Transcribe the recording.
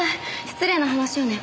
失礼な話よね。